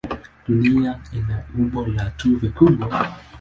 Dunia ina umbo la tufe kubwa.